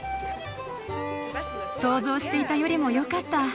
想像していたよりもよかった。